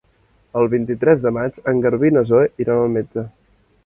El vint-i-tres de maig en Garbí i na Zoè iran al metge.